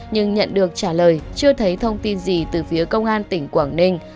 nhưng nhận được trả lời chưa thấy thông tin gì từ phía công an tỉnh quảng ninh